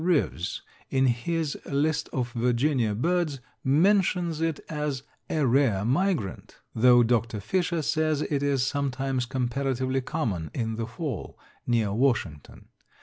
Rives, in his list of Virginia birds, mentions it as "a rare migrant," though Dr. Fisher says it is sometimes comparatively common in the fall near Washington.